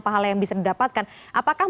pahala yang bisa didapatkan apakah